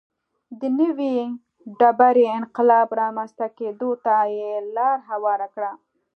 د نوې ډبرې انقلاب رامنځته کېدو ته یې لار هواره کړه.